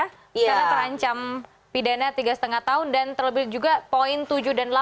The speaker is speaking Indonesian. karena terancam pidana tiga lima tahun dan terlebih juga poin tujuh dan delapan